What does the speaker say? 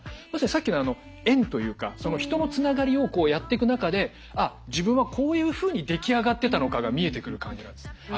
さっきの縁というか人のつながりをこうやっていく中であっ自分はこういうふうに出来上がってたのかが見えてくる感じなんです。